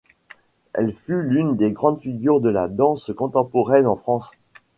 Elle fut l'une des grandes figures de la danse contemporaine en France.